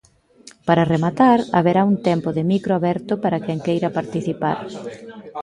Para rematar, haberá un tempo de micro aberto para quen queira participar.